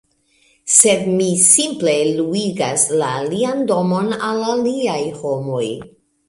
sed mi simple luigas la alian domon al aliaj homoj